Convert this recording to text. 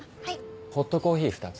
ホットコーヒー２つ。